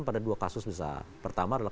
pada dua kasus besar pertama adalah